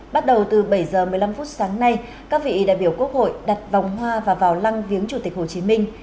bắt đầu từ bảy h một mươi năm phút sáng nay các vị đại biểu quốc hội đặt vòng hoa và vào lăng viếng chủ tịch hồ chí minh